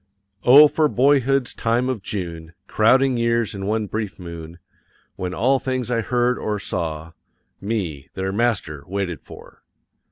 O for boyhood's time of June, crowding years in one brief moon, when all things I heard or saw, me, their master, waited for.